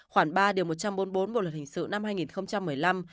khoảng ba điều một trăm bốn mươi bốn bộ luật hình sự năm hai nghìn một mươi năm